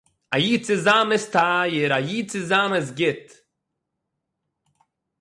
א איד צו זיין איז טייער א איד צו זיין איז גוט